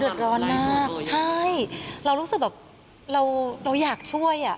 เดือดร้อนมากใช่เรารู้สึกแบบเราอยากช่วย